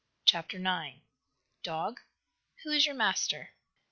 CHAPTER IX "DOG, WHO IS YOUR MASTER?"